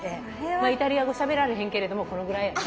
イタリア語しゃべられへんけれどもこのぐらい。